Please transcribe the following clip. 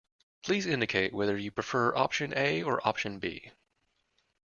Please indicate whether you prefer option A or option B